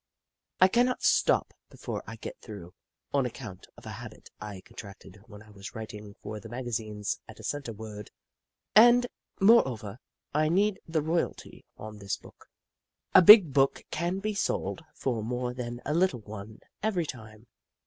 I cannot stop be fore I get through, on account of a habit I contracted when I was writing for the maga zines at a cent a word, and, moreover, I need the royalty on this book. A big book can be sold for more than a little one, every time.